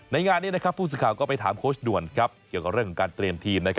งานนี้ผู้สื่อข่าวก็ไปถามโค้ชด่วนเกี่ยวกับเรื่องของการเตรียมทีม